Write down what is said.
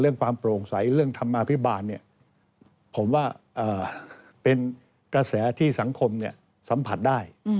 ความโปร่งใสเรื่องธรรมาภิบาลผมว่าเป็นกระแสที่สังคมสัมผัสได้